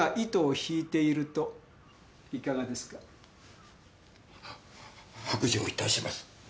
いかがですか？は白状いたします。